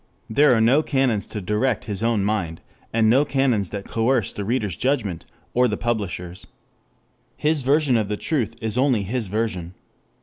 There are no canons to direct his own mind, and no canons that coerce the reader's judgment or the publisher's. His version of the truth is only his version.